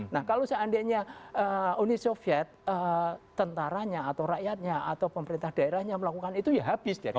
nah kalau seandainya uni soviet tentaranya atau rakyatnya atau pemerintah daerahnya melakukan itu ya habis